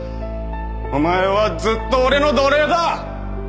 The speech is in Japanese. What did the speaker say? お前はずっと俺の奴隷だ！